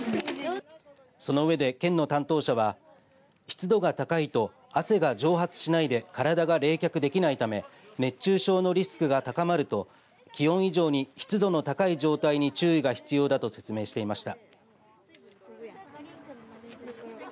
その上で、県の担当者は湿度が高いと汗が蒸発しないで体が冷却できないため熱中症のリスクが高まると気温以上に湿度の高い状態に注意が必要だと説明していました。